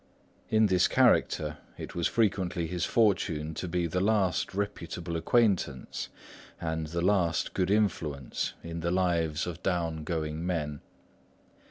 In this character, it was frequently his fortune to be the last reputable acquaintance and the last good influence in the lives of downgoing men.